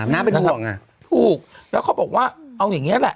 น่าเป็นห่วงอ่ะถูกแล้วเขาบอกว่าเอาอย่างนี้แหละ